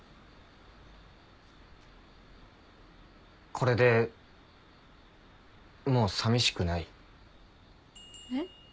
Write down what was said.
これでもうさみしくない？えっ？